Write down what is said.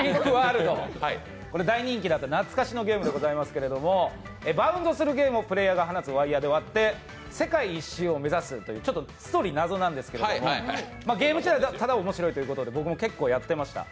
大人気だった懐かしのゲームでございますけどバウンドするゲームをプレーヤーが放つワイヤーで割って世界一周を目指すというストーリーは謎なんですけど、ゲーム自体は面白いということでゲーム自体ただおもしろいということで、僕も結構やってました。